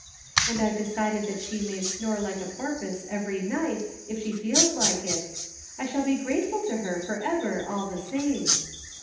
And I've decided that she may snore like a porpoise every night, if she feels like it ; I shall be grateful to her, for ever, all the same.